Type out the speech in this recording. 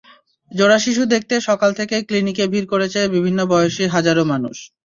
জোড়া শিশু দেখতে সকাল থেকেই ক্লিনিকে ভিড় করেছে বিভিন্ন বয়সী হাজারো মানুষ।